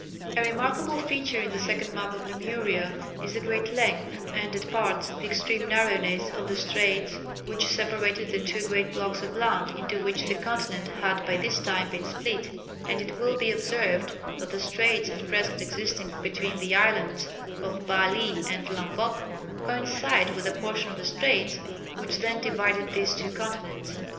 A remarkable feature in the second map of Lemuria is the great length, and at parts the extreme narrowness, of the straits which separated the two great blocks of land into which the continent had by this time been split, and it will be observed that the straits at present existing between the islands of Bali and Lomboc coincide with a portion of the straits which then divided these two continents.